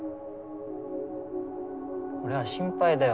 俺は心配だよ